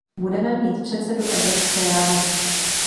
Budeme mít předsedu Evropské rady.